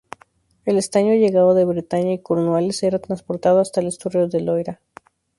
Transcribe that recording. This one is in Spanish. El estaño, llegado de Bretaña y Cornualles, era transportado hasta el estuario del Loira.